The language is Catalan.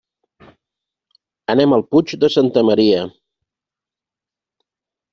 Anem al Puig de Santa Maria.